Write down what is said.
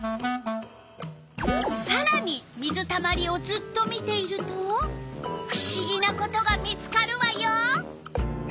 さらに水たまりをずっと見ているとふしぎなことが見つかるわよ！